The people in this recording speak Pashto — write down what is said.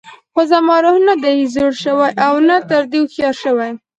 خو زما روح نه دی زوړ شوی او نه تر دې هوښیار شوی.